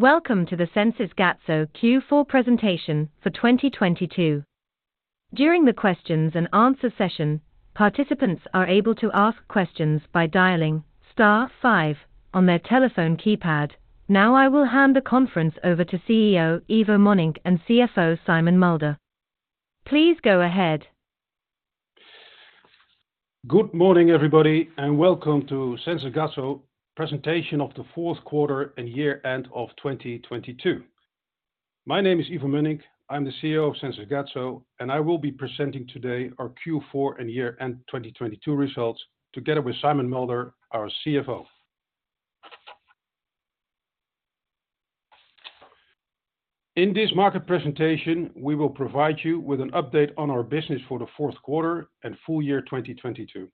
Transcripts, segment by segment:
Welcome to the Sensys Gatso Q4 presentation for 2022. During the questions and answer session, participants are able to ask questions by dialing star five on their telephone keypad. I will hand the conference over to CEO Ivo Mönnink and CFO Simon Mulder. Please go ahead. Good morning, everybody. Welcome to Sensys Gatso presentation of the fourth quarter and year-end of 2022. My name is Ivo Mönnink. I'm the CEO of Sensys Gatso. I will be presenting today our Q4 and year-end 2022 results together with Simon Mulder, our CFO. In this market presentation, we will provide you with an update on our business for the fourth quarter and full year 2022.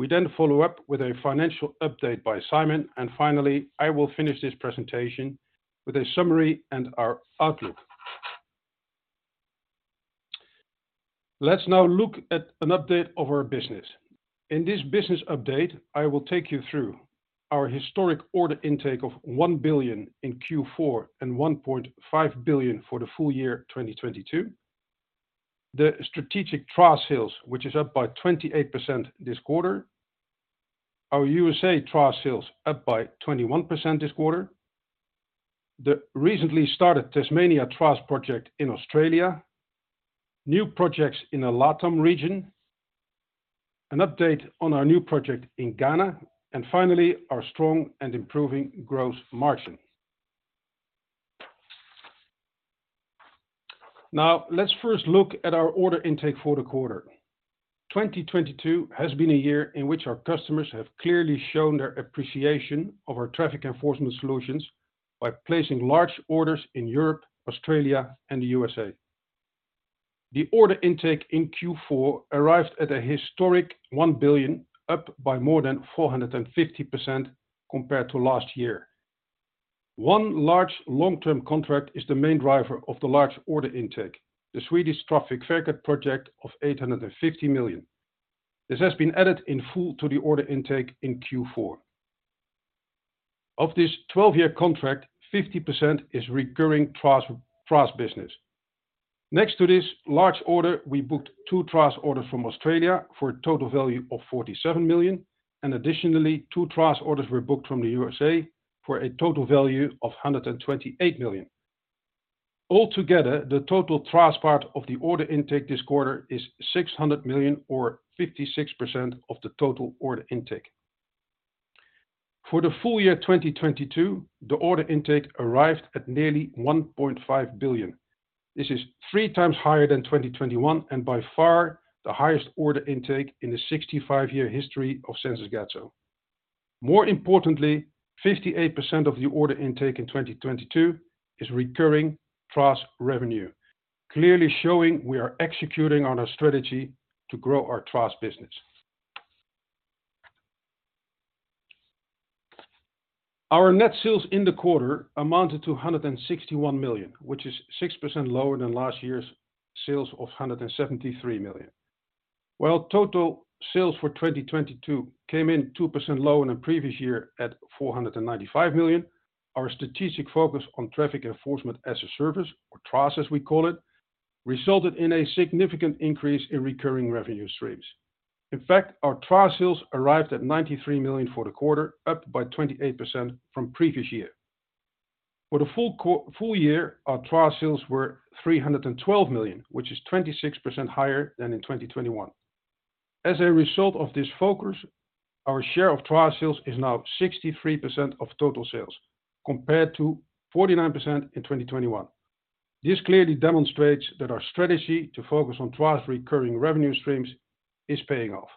We follow up with a financial update by Simon. Finally, I will finish this presentation with a summary and our outlook. Let's now look at an update of our business. In this business update, I will take you through our historic order intake of 1 billion in Q4 and 1.5 billion for the full year 2022, the strategic TRaaS sales, which is up by 28% this quarter, our U.S.A. TRaaS sales up by 21% this quarter, the recently started Tasmania TRaaS project in Australia, new projects in the LATAM region, an update on our new project in Ghana, and finally, our strong and improving gross margin. Now, let's first look at our order intake for the quarter. 2022 has been a year in which our customers have clearly shown their appreciation of our traffic enforcement solutions by placing large orders in Europe, Australia, and the U.S.A. The order intake in Q4 arrived at a historic 1 billion, up by more than 450% compared to last year. One large long-term contract is the main driver of the large order intake, the Swedish Trafikverket project of 850 million. This has been added in full to the order intake in Q4. Of this 12-year contract, 50% is recurring TRaaS business. Next to this large order, we booked two TRaaS orders from Australia for a total value of 47 million, and additionally, two TRaaS orders were booked from the U.S.A. for a total value of 128 million. Altogether, the total TRaaS part of the order intake this quarter is 600 million or 56% of the total order intake. For the full year 2022, the order intake arrived at nearly 1.5 billion. This is three times higher than 2021 and by far the highest order intake in the 65-year history of Sensys Gatso. More importantly, 58% of the order intake in 2022 is recurring TRaaSrevenue, clearly showing we are executing on our strategy to grow our TRaaS business. Our net sales in the quarter amounted to 161 million, which is 6% lower than last year's sales of 173 million. While total sales for 2022 came in 2% lower than previous year at 495 million, our strategic focus on traffic enforcement as a service, or TRaaS as we call it, resulted in a significant increase in recurring revenue streams. In fact, ourTRaaS sales arrived at 93 million for the quarter, up by 28% from previous year. For the full year, our TRaaS sales were 312 million, which is 26% higher than in 2021. As a result of this focus, our share of TRaaS sales is now 63% of total sales compared to 49% in 2021. This clearly demonstrates that our strategy to focus on TRaaS recurring revenue streams is paying off.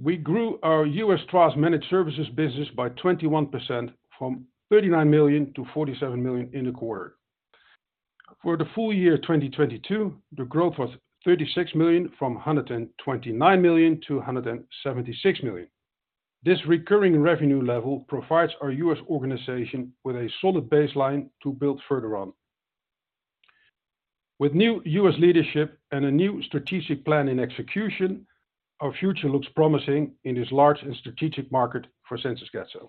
We grew our US TRaaS Managed Services business by 21% from $39 million-$47 million in the quarter. For the full year 2022, the growth was $36 million from $129 million-$176 million. This recurring revenue level provides our US organization with a solid baseline to build further on. With new US leadership and a new strategic plan in execution, our future looks promising in this large and strategic market for Sensys Gatso.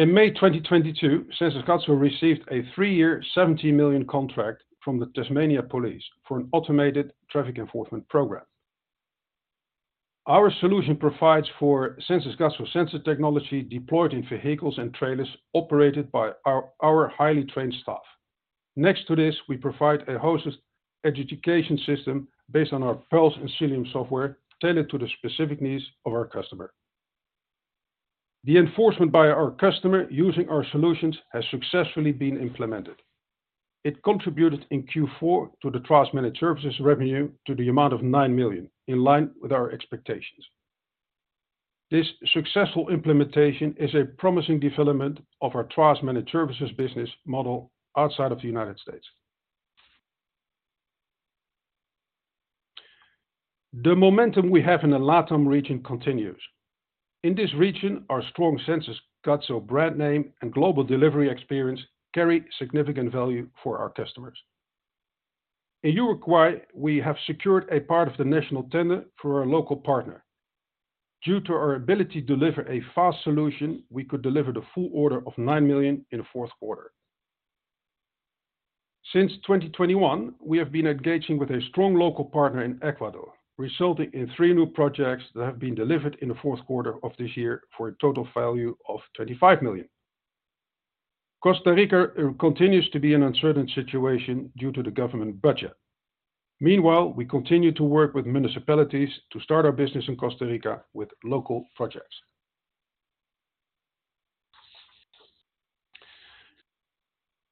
In May 2022, Sensys Gatso received a three year $70 million contract from the Tasmania Police for an automated traffic enforcement program. Our solution provides for Sensys Gatso sensor technology deployed in vehicles and trailers operated by our highly trained staff. Next to this, we provide a hosted detection system based on our PULS and Xilium software tailored to the specific needs of our customer. The enforcement by our customer using our solutions has successfully been implemented. It contributed in Q4 to the TRaaS Managed Services revenue to the amount of 9 million, in line with our expectations. This successful implementation is a promising development of our TRaaS Managed Services business model outside of the United States. The momentum we have in the LATAM region continues. In this region, our strong Sensys Gatso brand name and global delivery experience carry significant value for our customers. In Uruguay, we have secured a part of the national tender through our local partner. Due to our ability to deliver a fast solution, we could deliver the full order of 9 million in the fourth quarter. Since 2021, we have been engaging with a strong local partner in Ecuador, resulting in three new projects that have been delivered in the fourth quarter of this year for a total value of 25 million. Costa Rica continues to be an uncertain situation due to the government budget. We continue to work with municipalities to start our business in Costa Rica with local projects.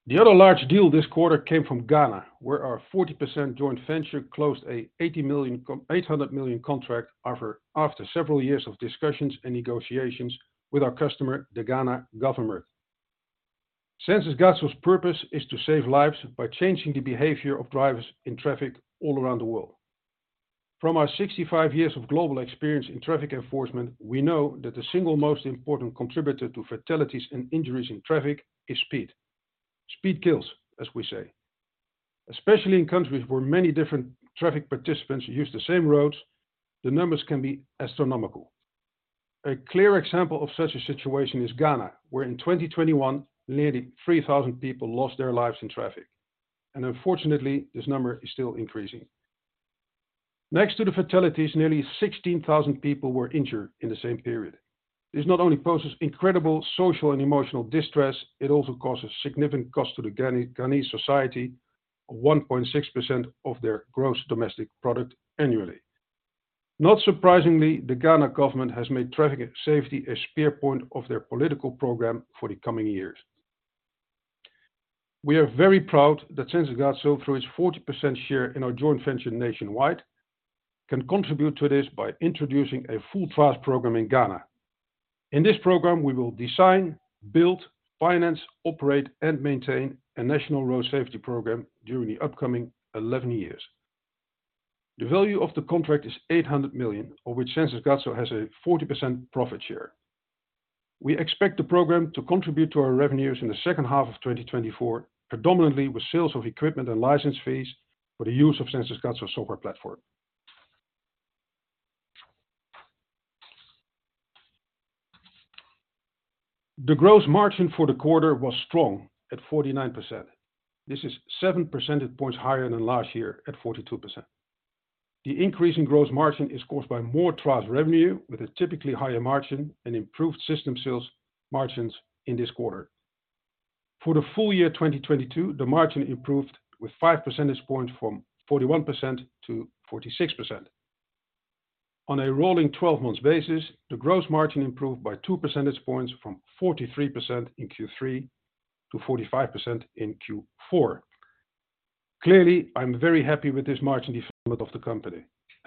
The other large deal this quarter came from Ghana, where our 40% joint venture closed a 800 million contract offer after several years of discussions and negotiations with our customer, the Ghana Government. Sensys Gatso's purpose is to save lives by changing the behavior of drivers in traffic all around the world. From our 65 years of global experience in traffic enforcement, we know that the single most important contributor to fatalities and injuries in traffic is speed. Speed kills, as we say. Especially in countries where many different traffic participants use the same roads, the numbers can be astronomical. A clear example of such a situation is Ghana, where in 2021, nearly 3,000 people lost their lives in traffic, and unfortunately, this number is still increasing. Next to the fatalities, nearly 16,000 people were injured in the same period. This not only poses incredible social and emotional distress, it also causes significant cost to the Ghanaian society, 1.6% of their gross domestic product annually. Not surprisingly, the Ghana government has made traffic safety a spear point of their political program for the coming years. We are very proud that Sensys Gatso, through its 40% share in our joint venture Nationwide, can contribute to this by introducing a full TRaaS program in Ghana. In this program, we will design, build, finance, operate, and maintain a national road safety program during the upcoming 11 years. The value of the contract is 800 million, of which Sensys Gatso has a 40% profit share. We expect the program to contribute to our revenues in the second half of 2024, predominantly with sales of equipment and license fees for the use of Sensys Gatso software platform. The gross margin for the quarter was strong at 49%. This is 7 percentage points higher than last year at 42%. The increase in gross margin is caused by more TRaaS revenue with a typically higher margin and improved System Sales margins in this quarter. For the full year 2022, the margin improved with 5 percentage points from 41%-46%. On a rolling 12 months basis, the gross margin improved by 2 percentage points from 43% in Q3 to 45% in Q4. Clearly, I'm very happy with this margin development of the company.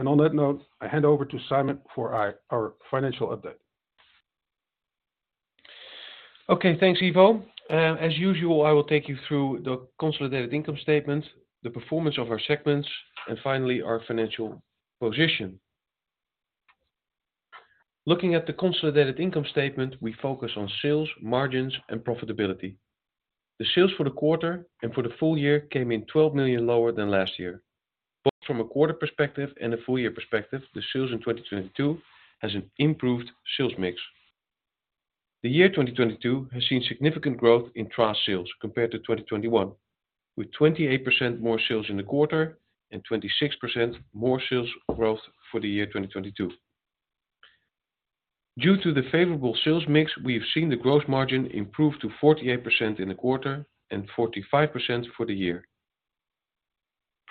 On that note, I hand over to Simon for our financial update. Okay. Thanks, Ivo. As usual, I will take you through the consolidated income statement, the performance of our segments, and finally, our financial position. Looking at the consolidated income statement, we focus on sales, margins, and profitability. The sales for the quarter and for the full year came in 12 million lower than last year. Both from a quarter perspective and a full year perspective, the sales in 2022 has an improved sales mix. The year 2022 has seen significant growth in TRaaS sales compared to 2021, with 28% more sales in the quarter and 26% more sales growth for the year 2022. Due to the favorable sales mix, we have seen the growth margin improve to 48% in the quarter and 45% for the year.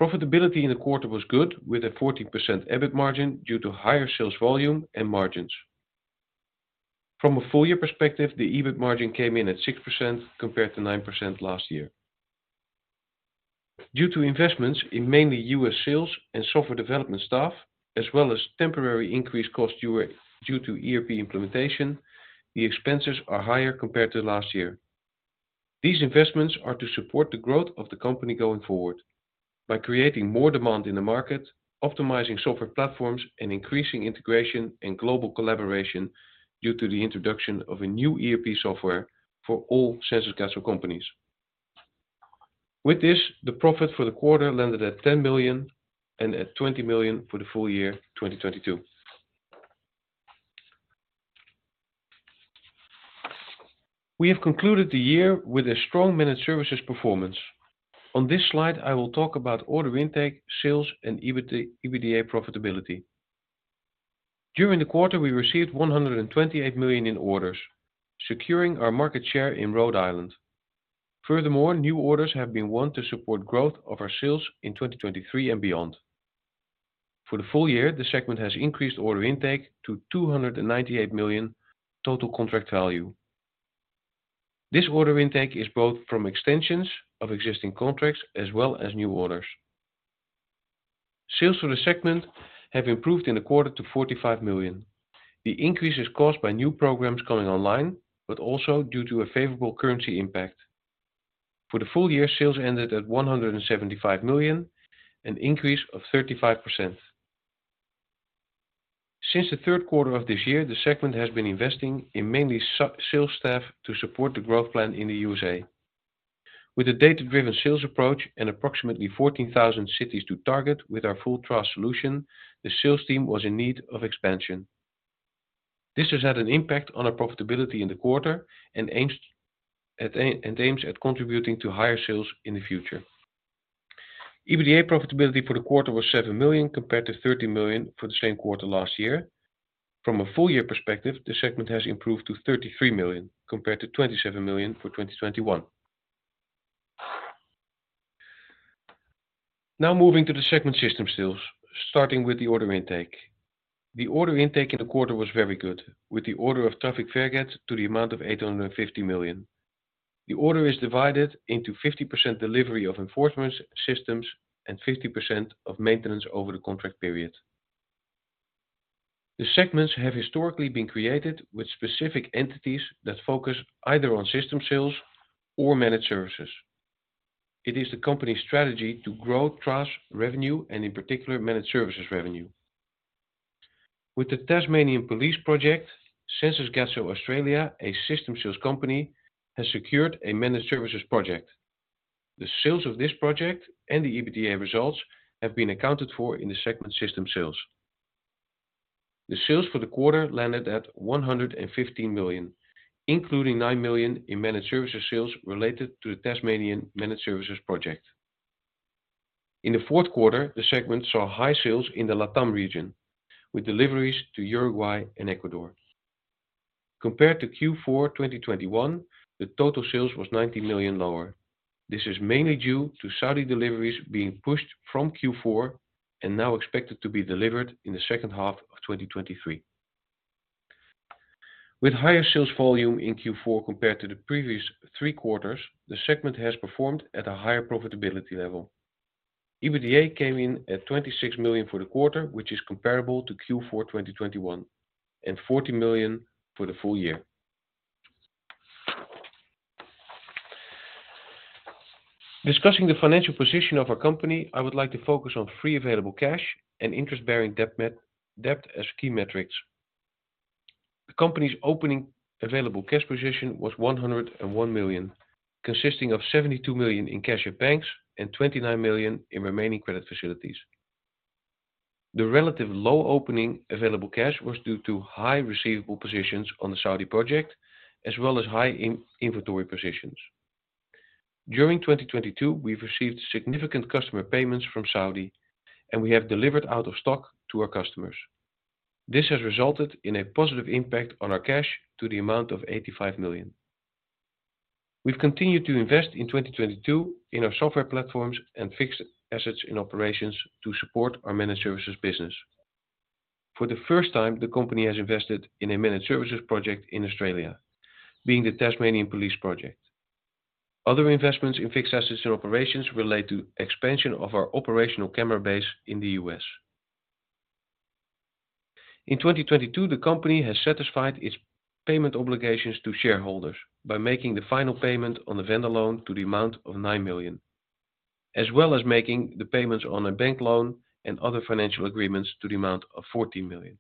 Profitability in the quarter was good with a 40% EBIT margin due to higher sales volume and margins. From a full year perspective, the EBIT margin came in at 6% compared to 9% last year. Due to investments in mainly U.S. sales and software development staff, as well as temporary increased cost due to ERP implementation, the expenses are higher compared to last year. These investments are to support the growth of the company going forward by creating more demand in the market, optimizing software platforms, and increasing integration and global collaboration due to the introduction of a new ERP software for all Sensys Gatso companies. With this, the profit for the quarter landed at 10 million and at 20 million for the full year 2022. We have concluded the year with a strong Managed Services performance. On this slide, I will talk about order intake, sales, and EBITDA profitability. During the quarter, we received 128 million in orders, securing our market share in Rhode Island. New orders have been won to support growth of our sales in 2023 and beyond. For the full year, the segment has increased order intake to 298 million total contract value. This order intake is both from extensions of existing contracts as well as new orders. Sales for the segment have improved in the quarter to 45 million. The increase is caused by new programs coming online, but also due to a favorable currency impact. For the full year, sales ended at 175 million, an increase of 35%. Since the third quarter of this year, the segment has been investing in mainly sales staff to support the growth plan in the U.S.A. With the data-driven sales approach and approximately 14,000 cities to target with our full TRaaS solution, the sales team was in need of expansion. This has had an impact on our profitability in the quarter and aims at contributing to higher sales in the future. EBITDA profitability for the quarter was 7 million compared to 13 million for the same quarter last year. From a full year perspective, the segment has improved to 33 million compared to 27 million for 2021. Moving to the segment System Sales, starting with the order intake. The order intake in the quarter was very good, with the order of Trafikverket to the amount of 850 million. The order is divided into 50% delivery of enforcement systems and 50% of maintenance over the contract period. The segments have historically been created with specific entities that focus either on System Sales or Managed Services. It is the company's strategy to grow trust, revenue and in particular, Managed Services revenue. With the Tasmania Police project, Sensys Gatso Australia, a System Sales company, has secured a Managed Services project. The sales of this project and the EBITDA results have been accounted for in the segment System Sales. The sales for the quarter landed at 115 million, including 9 million in Managed Services sales related to the Tasmania Managed Services project. In the fourth quarter, the segment saw high sales in the LATAM region, with deliveries to Uruguay and Ecuador. Compared to Q4, 2021, the total sales was 90 million lower. This is mainly due to Saudi deliveries being pushed from Q4 and now expected to be delivered in the second half of 2023. With higher sales volume in Q4 compared to the previous three quarters, the segment has performed at a higher profitability level. EBITDA came in at 26 million for the quarter, which is comparable to Q4, 2021, and 14 million for the full year. Discussing the financial position of our company, I would like to focus on free available cash and interest-bearing debt as key metrics. The company's opening available cash position was 101 million, consisting of 72 million in cash at banks and 29 million in remaining credit facilities. The relative low opening available cash was due to high receivable positions on the Saudi project as well as high in-inventory positions. During 2022, we've received significant customer payments from Saudi, and we have delivered out of stock to our customers. This has resulted in a positive impact on our cash to the amount of 85 million. We've continued to invest in 2022 in our software platforms and fixed assets in operations to support our Managed Services business. For the first time, the company has invested in a Managed Services project in Australia, being the Tasmania Police project. Other investments in fixed assets and operations relate to expansion of our operational camera base in the US. In 2022, the company has satisfied its payment obligations to shareholders by making the final payment on the vendor loan to the amount of 9 million, as well as making the payments on a bank loan and other financial agreements to the amount of 14 million.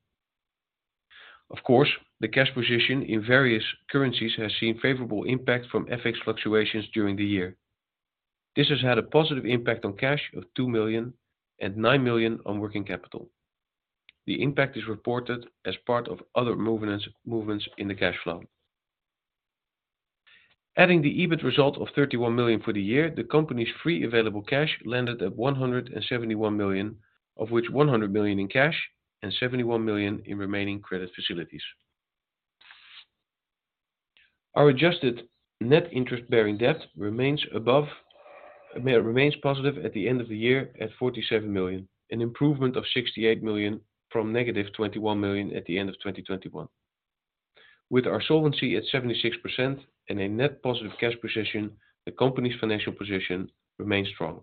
The cash position in various currencies has seen favorable impact from FX fluctuations during the year. This has had a positive impact on cash of 2 million and 9 million on working capital. The impact is reported as part of other movements in the cash flow. Adding the EBIT result of 31 million for the year, the company's free available cash landed at 171 million, of which 100 million in cash and 71 million in remaining credit facilities. Our adjusted net interest bearing debt remains positive at the end of the year at 47 million, an improvement of 68 million from negative 21 million at the end of 2021. With our solvency at 76% and a net positive cash position, the company's financial position remains strong.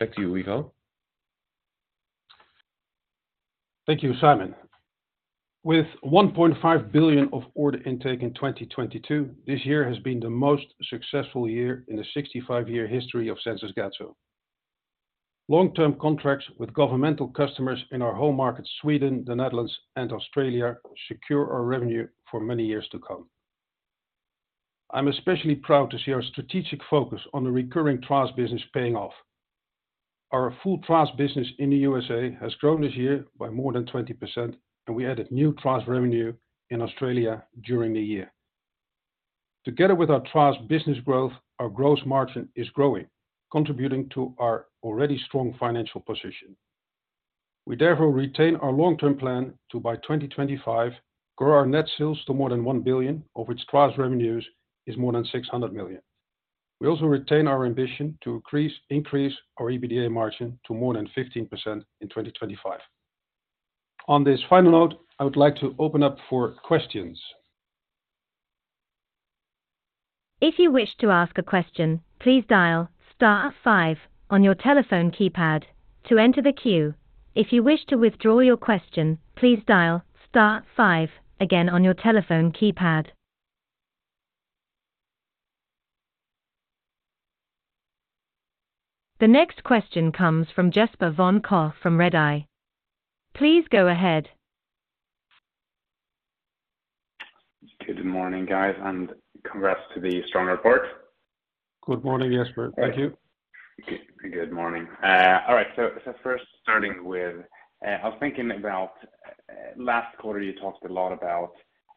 Back to you, Ivo. Thank you, Simon. With 1.5 billion of order intake in 2022, this year has been the most successful year in the 65-year history of Sensys Gatso. Long-term contracts with governmental customers in our home market, Sweden, the Netherlands and Australia secure our revenue for many years to come. I'm especially proud to see our strategic focus on the recurring TRaaS business paying off. Our full TRaaS business in the U.S.A has grown this year by more than 20%, and we added new TRaaS revenue in Australia during the year. Together with our TRaaS business growth, our gross margin is growing, contributing to our already strong financial position. We therefore retain our long-term plan to, by 2025, grow our net sales to more than 1 billion of which TRaaS revenues is more than 600 million. We also retain our ambition to increase our EBITDA margin to more than 15% in 2025. On this final note, I would like to open up for questions. If you wish to ask a question, please dial star five on your telephone keypad to enter the queue. If you wish to withdraw your question, please dial star five again on your telephone keypad. The next question comes from Jesper von Koch from Redeye. Please go ahead. Good morning, guys, and congrats to the strong report. Good morning, Jesper. Thank you. Good morning. All right, first starting with, I was thinking about, last quarter, you talked a lot about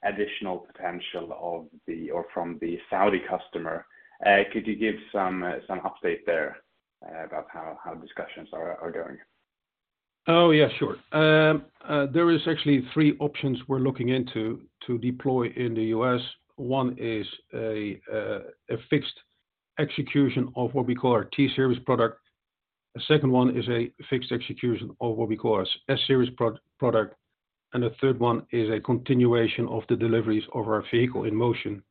additional potential from the Saudi customer. Could you give some update there about how discussions are going? Oh, yeah, sure. There is actually three options we're looking into to deploy in the U.S. One is a fixed execution of what we call our T-Series product. The second one is a fixed execution of what we call our S-Series product, and the third one is a continuation of the deliveries of our Vehicle-in-Motion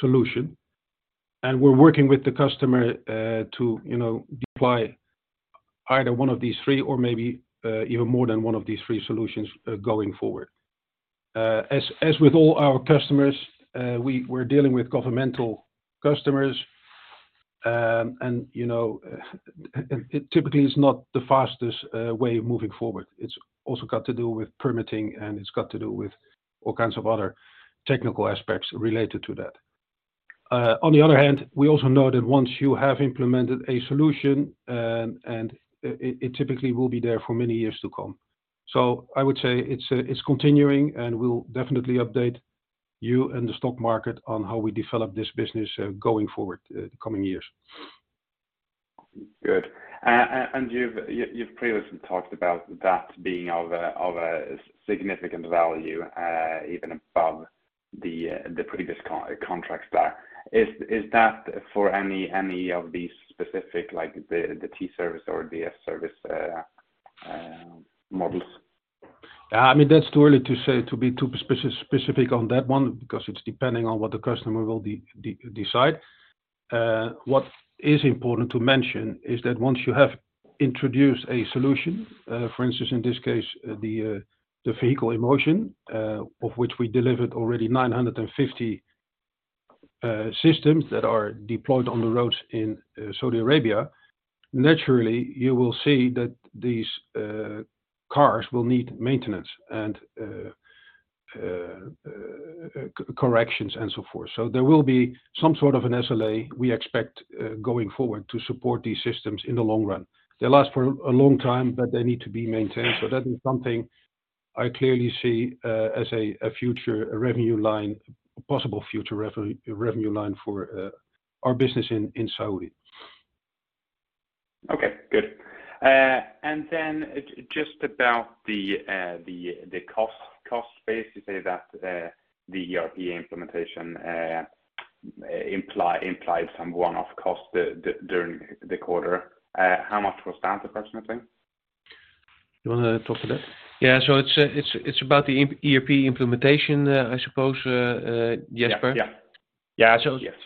solution. We're working with the customer to, you know, deploy either one of these three or maybe even more than one of these three solutions going forward. As with all our customers, we're dealing with governmental customers. You know, it typically is not the fastest way of moving forward. It's also got to do with permitting, and it's got to do with all kinds of other technical aspects related to that. On the other hand, we also know that once you have implemented a solution and it typically will be there for many years to come. I would say it's continuing, and we'll definitely update you and the stock market on how we develop this business going forward, the coming years. Good. You've previously talked about that being of a significant value, even above the previous contract stack. Is that for any of these specific, like the T-Series or the S-Series models? I mean, that's too early to say to be too specific on that one because it's depending on what the customer will decide. What is important to mention is that once you have introduced a solution, for instance, in this case, the Vehicle-in-Motion, of which we delivered already 950 systems that are deployed on the roads in Saudi Arabia, naturally, you will see that these cars will need maintenance and corrections and so forth. There will be some sort of an SLA we expect going forward to support these systems in the long run. They last for a long time, but they need to be maintained. That is something I clearly see as a future revenue line, possible future revenue line for our business in Saudi. Okay, good. Just about the cost base, you say that the ERP implementation implied some one-off costs during the quarter. How much was that approximately? You want to talk to that? Yeah. it's about the ERP implementation, I suppose, Jesper. Yeah. Yeah.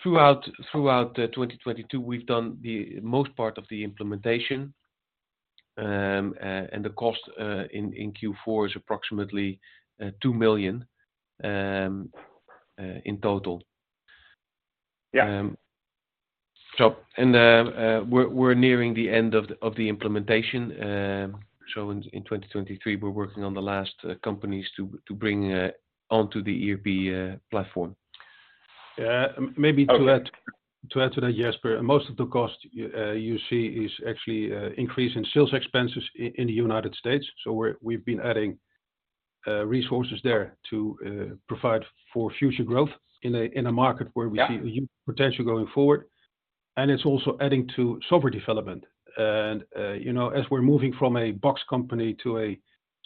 Throughout 2022, we've done the most part of the implementation, and the cost in Q4 is approximately 2 million in total. Yeah. We're nearing the end of the implementation. In 2023, we're working on the last companies to bring onto the ERP platform. Yeah. Okay. To add to that, Jesper, most of the cost you see is actually increase in sales expenses in the United States. We've been adding resources there to provide for future growth in a market where we see. Yeah. Huge potential going forward, and it's also adding to software development. You know, as we're moving from a box company to a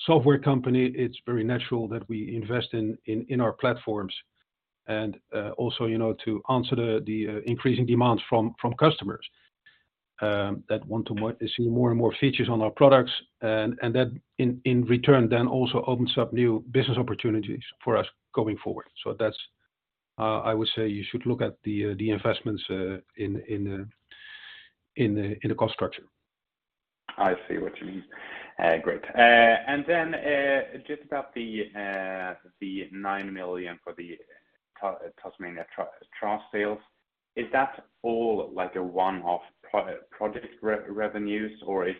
software company, it's very natural that we invest in our platforms and, also, you know, to answer the increasing demands from customers that want to see more and more features on our products. That in return then also opens up new business opportunities for us going forward. That's, I would say you should look at the investments in the cost structure. I see what you mean. great. just about the 9 million for the Tasmania sales, is that all, like, a one-off project revenues, or is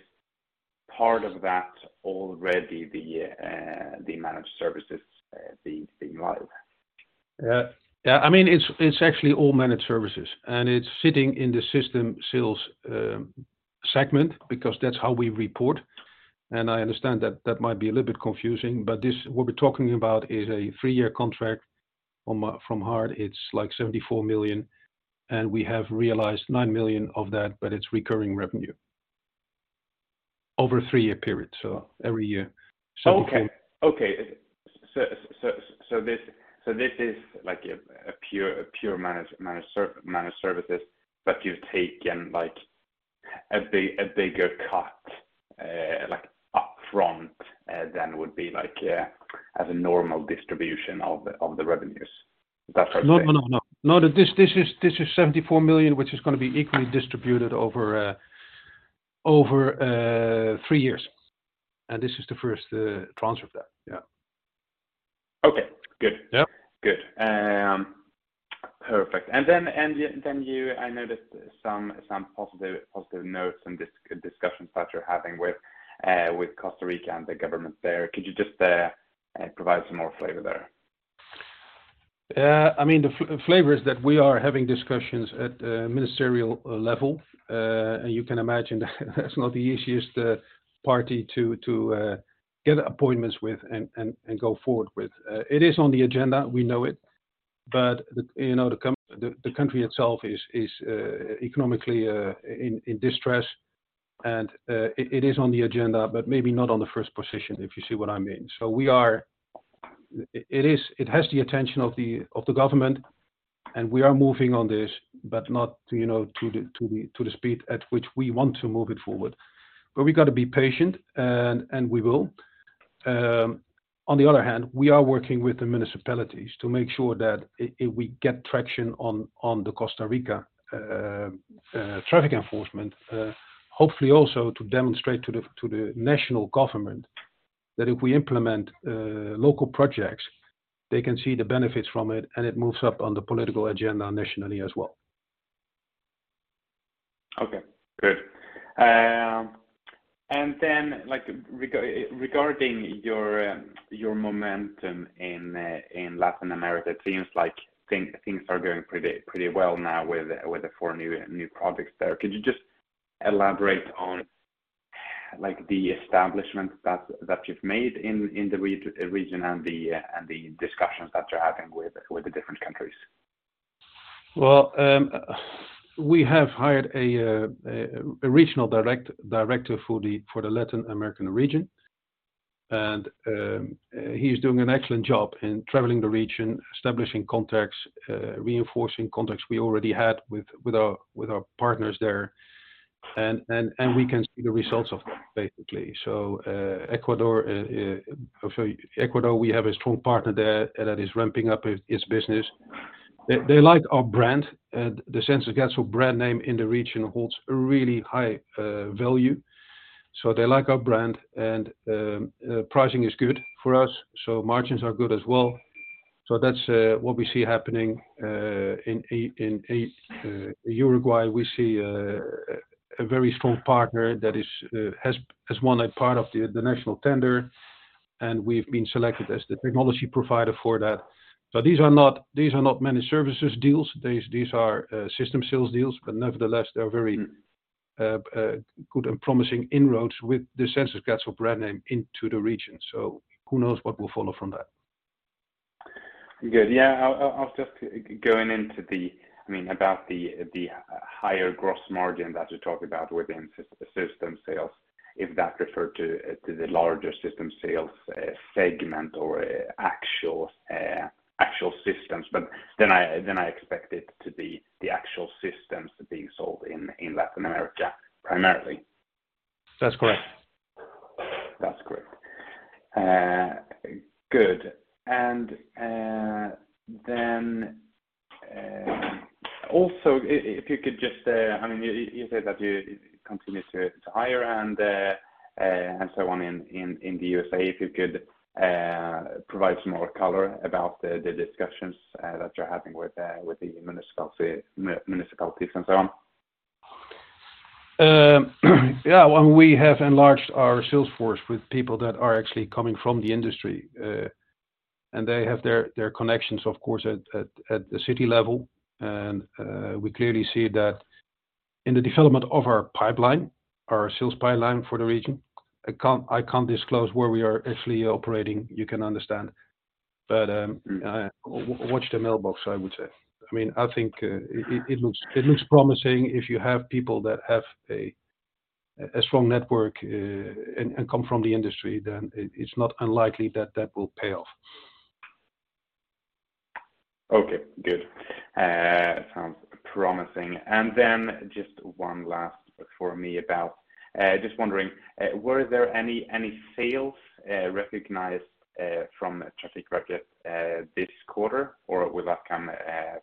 part of that already the Managed Services, being live? Yeah. I mean, it's actually all Managed Services, and it's sitting in the System Sales segment because that's how we report. I understand that might be a little bit confusing, but this, what we're talking about is a three-year contract from Hart, it's like 74 million, and we have realized 9 million of that, but it's recurring revenue over a three-year period. Every year, seventy-four- Okay. Okay. This is like a pure Managed Services, but you've taken, like, a big, a bigger cut, like upfront. Would be like, as a normal distribution of the, of the revenues. Is that fair to say? No, no. No. This is 74 million, which is gonna be equally distributed over three years. This is the first transfer of that. Yeah. Okay. Good. Yeah. Good. perfect. I noticed some positive notes and discussions that you're having with Costa Rica and the government there. Could you just provide some more flavor there? I mean, the flavor is that we are having discussions at ministerial level. You can imagine that's not the easiest party to get appointments with and go forward with. It is on the agenda, we know it, but the, you know, the country itself is economically in distress and it is on the agenda, but maybe not on the first position, if you see what I mean. It has the attention of the government, and we are moving on this, but not, you know, to the speed at which we want to move it forward. We gotta be patient, and we will. On the other hand, we are working with the municipalities to make sure that if we get traction on the Costa Rica traffic enforcement, hopefully also to demonstrate to the national government that if we implement local projects, they can see the benefits from it, and it moves up on the political agenda nationally as well. Okay. Good. Like, regarding your momentum in Latin America, it seems like things are going pretty well now with the four new projects there. Could you just elaborate on, like, the establishment that you've made in the region and the discussions that you're having with the different countries? Well, we have hired a regional director for the Latin American region, and he's doing an excellent job in traveling the region, establishing contacts, reinforcing contacts we already had with our partners there. We can see the results of that, basically. Ecuador, we have a strong partner there that is ramping up its business. They like our brand. The Sensys Gatso brand name in the region holds a really high value. They like our brand and pricing is good for us, so margins are good as well. That's what we see happening in Uruguay, we see a very strong partner that has won a part of the national tender, and we've been selected as the technology provider for that. These are not, these are not Managed Services deals. These are System Sales deals, but nevertheless, they are very. Mm-hmm ...good and promising inroads with the Sensys Gatso brand name into the region. Who knows what will follow from that. Good. Yeah. I was just going into the... I mean, about the higher gross margin that you talked about within System Sales, if that referred to the larger System Sales segment or actual systems. I expect it to be the actual systems being sold in Latin America primarily. That's correct. That's correct. Good. Then, also if you could just, I mean, you said that you continue to hire and so on in the U.S.A. If you could provide some more color about the discussions that you're having with the municipalities and so on. Yeah. Well, we have enlarged our sales force with people that are actually coming from the industry, and they have their connections, of course, at the city level. We clearly see that in the development of our pipeline, our sales pipeline for the region, I can't disclose where we are actually operating, you can understand. Mm-hmm ...watch the mailbox, I would say. I mean, I think, it looks promising. If you have people that have a strong network, and come from the industry, then it's not unlikely that that will pay off. Okay, good. sounds promising. Just one last for me about, just wondering, were there any sales recognized from Trafikverket this quarter, or will that come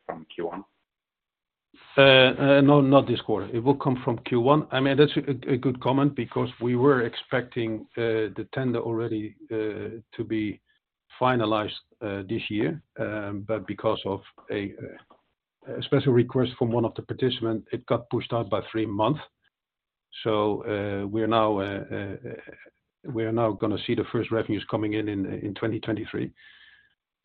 from Q1? No, not this quarter. It will come from Q1. I mean, that's a good comment because we were expecting the tender already to be finalized this year. Because of a special request from one of the participants, it got pushed out by three months. We are now gonna see the first revenues coming in in 2023.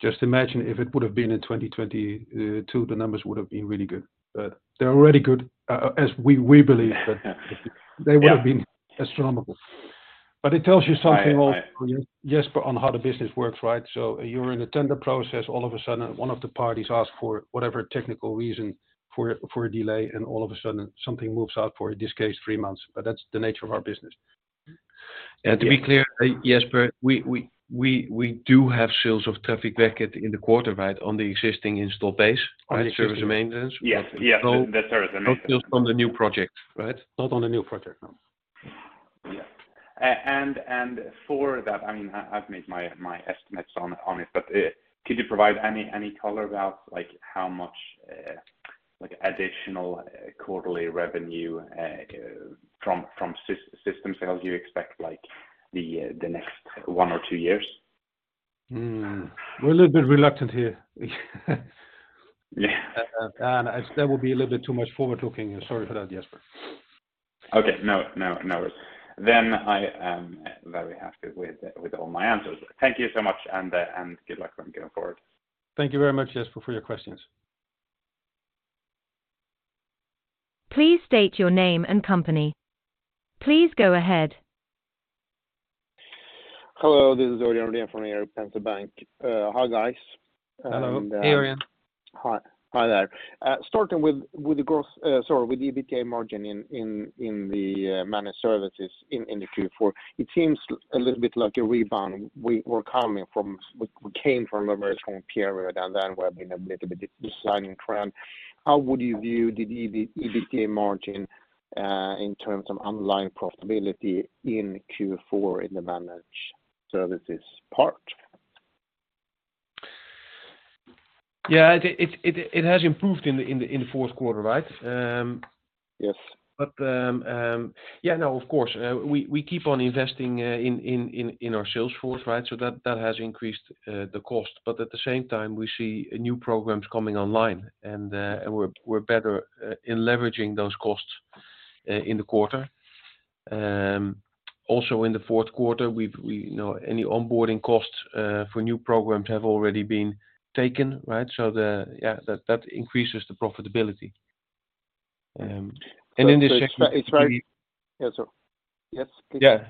Just imagine if it would have been in 2022, the numbers would have been really good. They're already good, as we believe. Yeah. They would have been astronomical. It tells you something also. I, I- Jesper, on how the business works, right? You're in a tender process. All of a sudden, one of the parties ask for whatever technical reason for a delay, and all of a sudden something moves out for, in this case, three months. That's the nature of our business. To be clear, Jesper, we do have sales of Trafikverket in the quarter, right? On the existing install base. On the existing Service and maintenance. Yes. Yes. The service and maintenance. Not built on the new projects, right? Not on the new project, no. For that, I mean, I've made my estimates on it, but, could you provide any color about like how much like additional quarterly revenue from System Sales you expect like the next one or two years? We're a little bit reluctant here. Yeah. That would be a little bit too much forward-looking. Sorry for that, Jesper. Okay. No, no worries. I am very happy with all my answers. Thank you so much, and good luck on going forward. Thank you very much, Jesper, for your questions. Please state your name and company. Please go ahead. Hello, this is Eirik Haavaldsen from Pareto Securities. Hi, guys. Hello. Hey, Simon. Hi. Hi there. With EBITDA margin in the Managed Services in the Q4, it seems a little bit like a rebound. We came from a very strong period, then we have been a little bit declining trend. How would you view the EBITDA margin in terms of underlying profitability in Q4 in the Managed Services part? It has improved in the fourth quarter, right? Yes. Yeah, no, of course. We keep on investing in our sales force, right? That has increased the cost. At the same time we see new programs coming online and we're better in leveraging those costs in the quarter. Also in the fourth quarter, you know, any onboarding costs for new programs have already been taken, right? Yeah, that increases the profitability. And in this segment- It's very. Yeah, sorry. Yes, please. Yeah.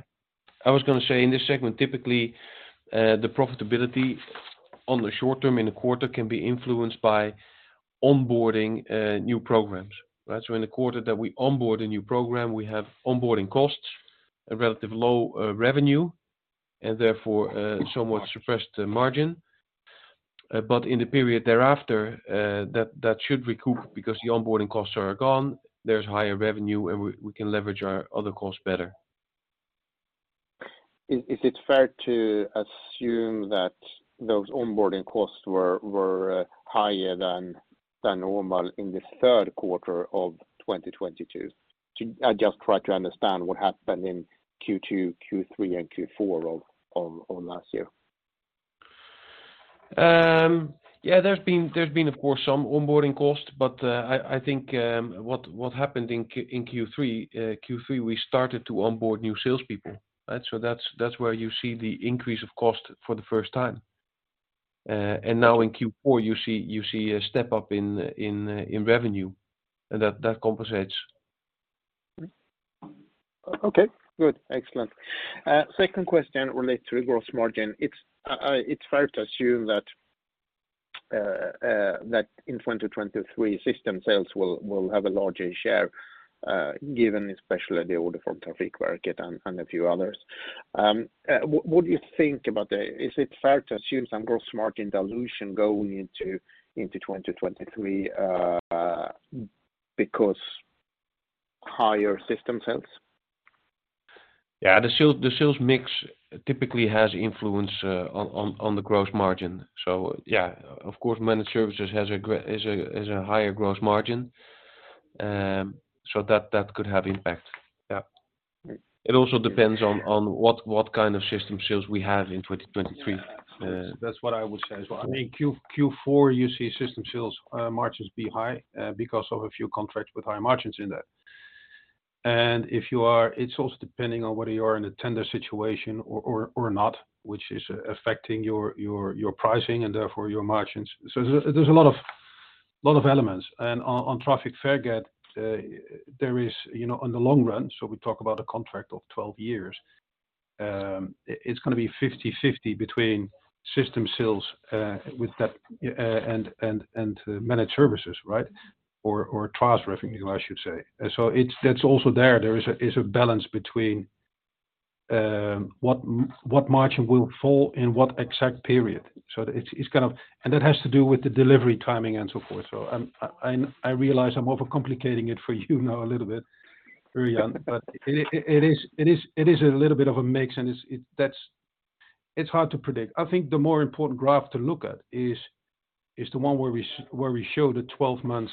I was gonna say, in this segment, typically, the profitability on the short term in the quarter can be influenced by onboarding, new programs, right? In the quarter that we onboard a new program, we have onboarding costs at relatively low revenue and therefore, somewhat suppressed margin. In the period thereafter, that should recoup because the onboarding costs are gone, there's higher revenue, and we can leverage our other costs better. Is it fair to assume that those onboarding costs were higher than normal in the third quarter of 2022? I'm just trying to understand what happened in Q2, Q3, and Q4 of last year. Yeah. There's been, of course, some onboarding costs, but I think what happened in Q3 we started to onboard new salespeople, right? That's where you see the increase of cost for the first time. Now in Q4 you see a step up in revenue, and that compensates. Okay, good. Excellent. Second question relates to the gross margin. It's fair to assume that in 2023 System Sales will have a larger share, given especially the order from Trafikverket and a few others. Is it fair to assume some gross margin dilution going into 2023, because higher System Sales? Yeah. The sales mix typically has influence on the gross margin. Yeah, of course, Managed Services is a higher gross margin. That could have impact. Yeah. Right. It also depends on what kind of System Sales we have in 2023. Yeah, that's what I would say as well. I mean... Mm-hmm Q4, you see System Sales margins be high because of a few contracts with high margins in that. It's also depending on whether you are in a tender situation or not, which is affecting your pricing and therefore your margins. There's a lot of elements. On Traffic4UK, there is, you know, on the long run, we talk about a contract of 12 years, it's gonna be 50/50 between System Sales with that and Managed Services, right? Or trials revenue, I should say. That's also there. There is a balance between what margin will fall in what exact period. It's gonna... That has to do with the delivery timing and so forth. I realize I'm overcomplicating it for you now a little bit, Orion. It is a little bit of a mix, and it's. It's hard to predict. I think the more important graph to look at is the one where we show the 12 months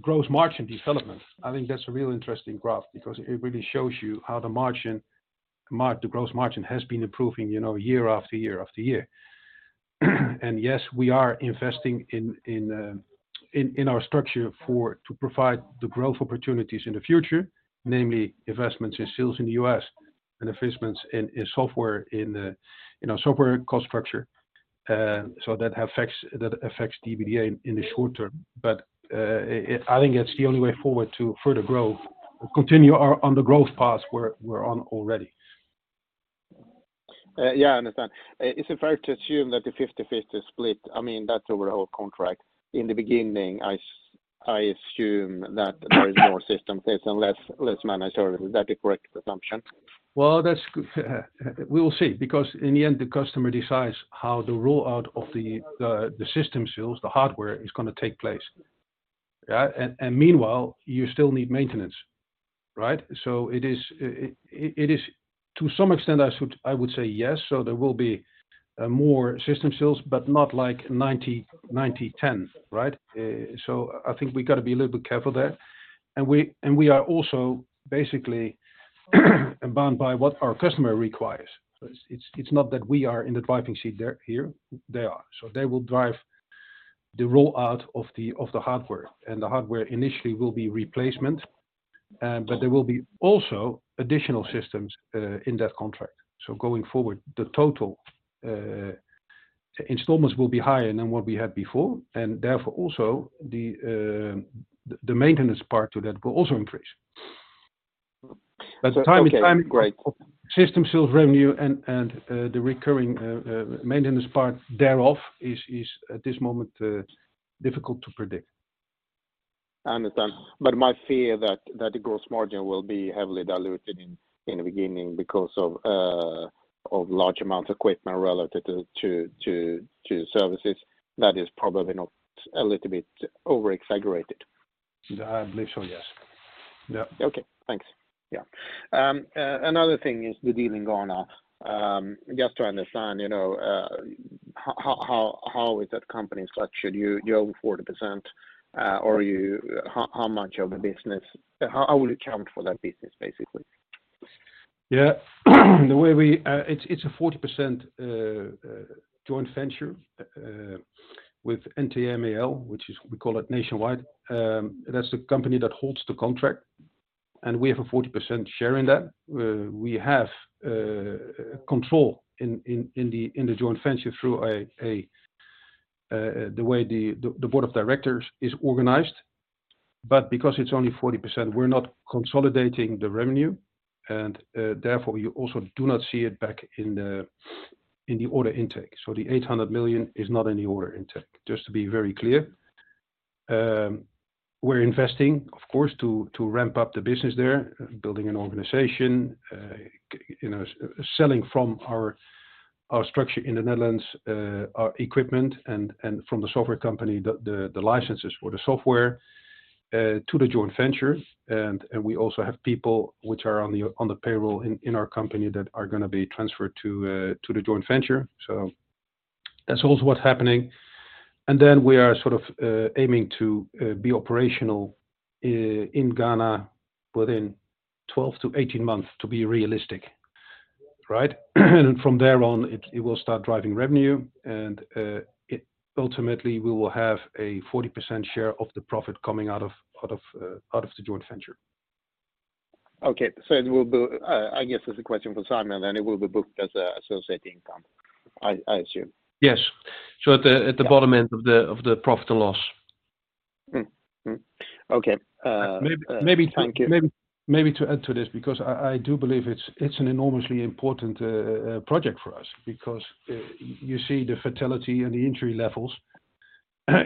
gross margin development. I think that's a real interesting graph because it really shows you how the gross margin has been improving, you know, year after year after year. Yes, we are investing in our structure to provide the growth opportunities in the future, namely investments in sales in the U.S. and investments in software in our software cost structure. That affects EBITDA in the short term. It. I think it's the only way forward to further growth or continue on the growth path we're on already. Yeah, I understand. Is it fair to assume that the 50/50 split, I mean, that's overall contract. In the beginning, I assume that there is more System Sales and less Managed Services. Is that the correct assumption? Well, that's We will see because in the end, the customer decides how the rollout of the System Sales, the hardware, is gonna take place. Yeah, and meanwhile, you still need maintenance, right? It is to some extent I should, I would say yes, there will be more System Sales, but not like 90/10, right? I think we got to be a little bit careful there. We are also basically bound by what our customer requires. It's not that we are in the driving seat here, they are. They will drive the roll-out of the hardware, and the hardware initially will be replacement. There will be also additional systems in that contract. Going forward, the total installments will be higher than what we had before and therefore also the maintenance part to that will also increase. Okay, great. time is time. System Sales revenue and the recurring maintenance part thereof is at this moment difficult to predict. Understand. My fear that the gross margin will be heavily diluted in the beginning because of large amount equipment relative to services that is probably not a little bit over-exaggerated. I believe so, yes. Yeah. Okay, thanks. Yeah. Another thing is the deal in Ghana. Just to understand, you know, how is that company structured? You own 40%, or you how much of the business? How will you account for that business, basically? Yeah. The way we, it's a 40% joint venture with NTMEL, which is we call it Nationwide. That's the company that holds the contract, and we have a 40% share in that. We have control in the joint venture through the way the board of directors is organized. Because it's only 40%, we're not consolidating the revenue, and therefore, you also do not see it back in the order intake. The 800 million is not in the order intake, just to be very clear. We're investing, of course, to ramp up the business there, building an organization, you know, selling from our structure in the Netherlands, our equipment and from the software company, the licenses for the software, to the joint venture. We also have people which are on the payroll in our company that are gonna be transferred to the joint venture. That's also what's happening. We are sort of, aiming to be operational, in Ghana within 12 to 18 months to be realistic. Right? From there on, it will start driving revenue, and it ultimately we will have a 40% share of the profit coming out of the joint venture. Okay. It will be, I guess it's a question for Simon, then it will be booked as associated income, I assume. Yes. At the bottom end of the profit and loss. Mm-hmm. Okay. Thank you. Maybe to add to this, because I do believe it's an enormously important project for us because you see the fatality and the injury levels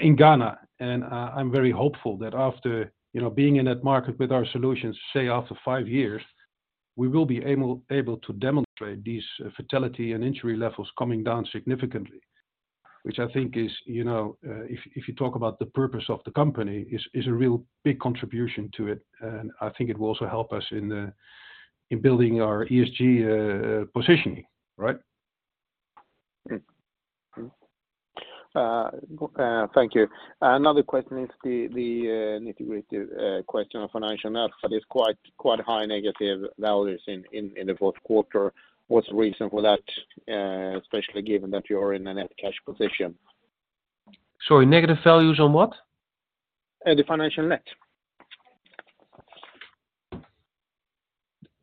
in Ghana. I'm very hopeful that after, you know, being in that market with our solutions, say after five years, we will be able to demonstrate these fatality and injury levels coming down significantly, which I think is, you know, if you talk about the purpose of the company is a real big contribution to it. I think it will also help us in building our ESG positioning. Right? Thank you. Another question is the integrated question of financial net that is quite high negative values in Q4. What's the reason for that, especially given that you are in a net cash position? Sorry, negative values on what? The financial net.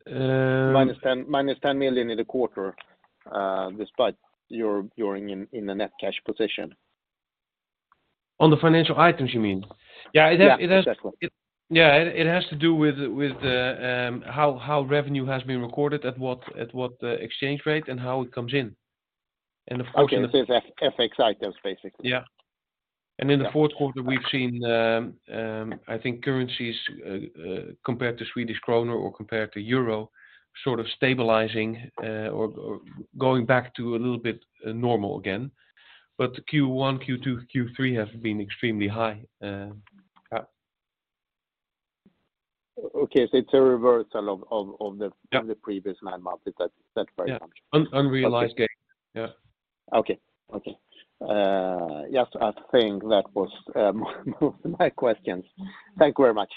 Um- Minus 10 million in the quarter, despite you're in a net cash position. On the financial items, you mean? Yeah. Yeah. Exactly. Yeah. It has to do with the how revenue has been recorded, at what exchange rate and how it comes in. Okay. It's FX items, basically. Yeah. Yeah. In Q4,nibwe've seen, I think currencies, compared to Swedish krona or compared to euro, sort of stabilizing, or going back to a little bit normal again. Q1, Q2, Q3 have been extremely high. Okay. It's a reversal of. Yeah of the previous nine months. Is that right? Yeah. Unrealized gain. Okay. Yeah. Okay. Okay. Just, I think that was my questions. Thank you very much.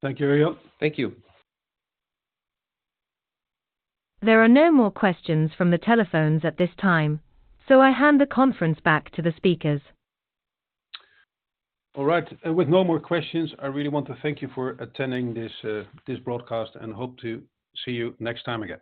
Thank you. Thank you. There are no more questions from the telephones at this time. I hand the conference back to the speakers. All right. With no more questions, I really want to thank you for attending this broadcast, and hope to see you next time again.